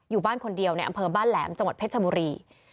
อยู่บ้านคนเดียวในอำเภอบ้านแหลมจังหวัดเพชรบุรี